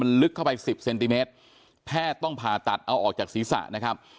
มันลึกเข้าไปสิบเซนติเมตรแพทย์ต้องผ่าตัดเอาออกจากศีรษะนะครับ